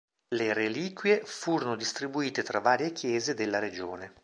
Le reliquie furono distribuite tra varie chiese della regione.